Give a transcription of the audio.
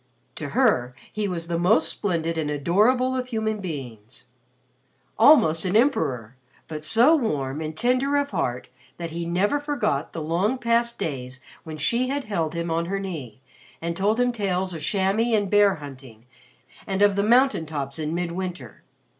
To her, he was the most splendid and adorable of human beings. Almost an emperor, but so warm and tender of heart that he never forgot the long past days when she had held him on her knee and told him tales of chamois and bear hunting, and of the mountain tops in midwinter.